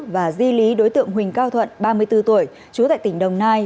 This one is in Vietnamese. và di lý đối tượng huỳnh cao thuận ba mươi bốn tuổi chú tại tỉnh đồng nai